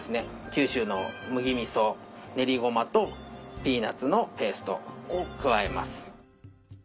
九州の麦みそ練りごまとピーナッツのペーストを加えます。